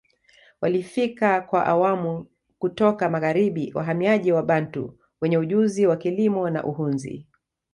Walifika kwa awamu kutoka magharibi wahamiaji Wabantu wenye ujuzi wa kilimo na uhunzi